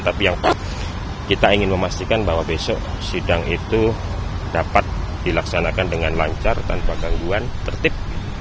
tapi yang pak kita ingin memastikan bahwa besok sidang itu dapat dilaksanakan dengan lancar tanpa gangguan tertib